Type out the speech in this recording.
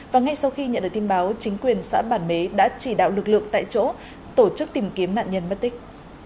và ngay sau khi nhận được tin báo chính quyền xã bản mế đã chỉ đạo lực lượng tại chỗ tổ chức tìm kiếm nạn nhân mất tích